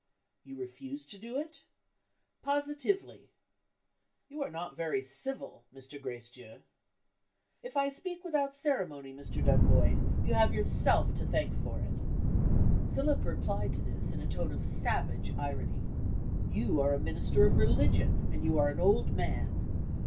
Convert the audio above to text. "You refuse to do it?" "Positively." "You are not very civil, Mr. Gracedieu." "If I speak without ceremony, Mr. Dunboyne, you have yourself to thank for it." Philip replied to this in a tone of savage irony. "You are a minister of religion, and you are an old man.